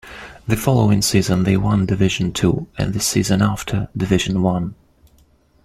The following season they won Division Two, and the season after, Division One.